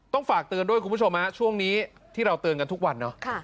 ฝากเตือนด้วยคุณผู้ชมช่วงนี้ที่เราเตือนกันทุกวันเนาะ